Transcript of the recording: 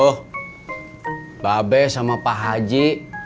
mbak be sama pak haji